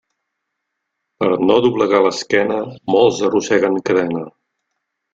Per no doblegar l'esquena, molts arrosseguen cadena.